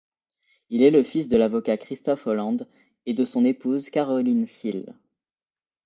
Il est le fils de l'avocat Christoph Holland et de son épouse Karoline Seel.